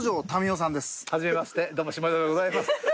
はじめましてどうも下城でございます。